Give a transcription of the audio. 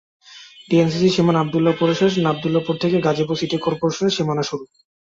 ডিএনসিসির সীমানা আবদুল্লাহপুরে শেষ এবং আবদুল্লাহপুর থেকে গাজীপুর সিটি করপোরেশনের সীমানা শুরু।